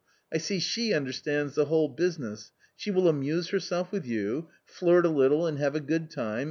I see she under stands the whole business : s he will amuse her self wit h you , flirt a little and have a good time